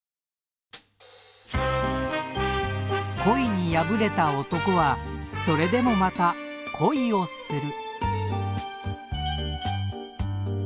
恋に破れた男はそれでもまた恋をする。